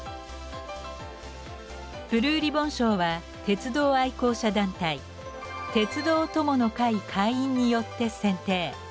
ブルーリボン賞は鉄道愛好者団体「鉄道友の会」会員によって選定。